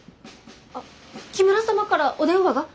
あっ木村様からお電話が。